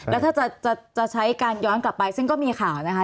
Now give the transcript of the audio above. แล้วถ้าจะใช้การย้อนกลับไปซึ่งก็มีข่าวนะคะ